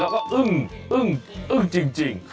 แล้วก็อึ้งจริง